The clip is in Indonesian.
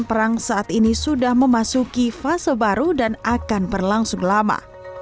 perang saat ini sudah memasuki fase baru dan akan berlangsung lama